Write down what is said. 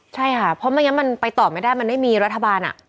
ใช่ค่ะเพราะไม่งั้นมันไปต่อไม่ได้มันไม่มีรัฐบาล